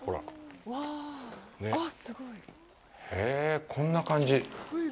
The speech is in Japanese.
へぇぇ、こんな感じ？